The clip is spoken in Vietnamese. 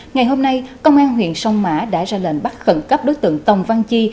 ngày hôm nay công an huyện sông mã đã ra lệnh bắt khẩn cấp đối tượng tòng văn chi